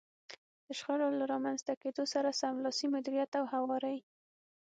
د شخړو له رامنځته کېدو سره سملاسي مديريت او هواری.